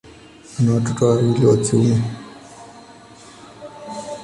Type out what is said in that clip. Ana watoto wawili wa kiume.